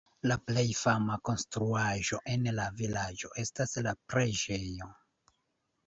La plej fama konstruaĵo en la vilaĝo estas la preĝejo.